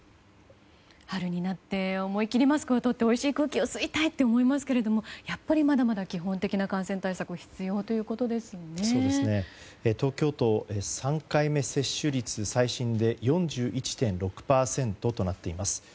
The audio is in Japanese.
春になって思い切りマスクをとっておいしい空気を吸いたいと思いますけれどもやっぱりまだまだ基本的な感染対策は東京都、３回目接種率は最新で４１．６％となっています。